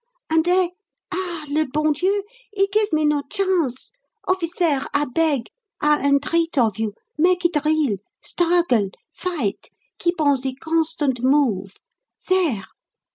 And he ah, le bon Dieu! he gif me no chance. Officair, I beg, I entreat of you, make it real! Struggle, fight, keep on ze constant move. Zere!"